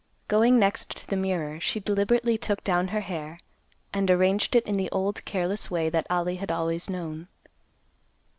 Going next to the mirror, she deliberately took down her hair, and arranged it in the old careless way that Ollie had always known.